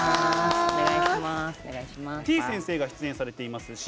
てぃ先生が出演されています